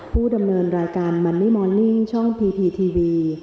ผู้ดำเนินรายการมันนี่มอนนิ่งช่องพีพีทีวี